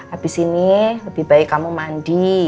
habis ini lebih baik kamu mandi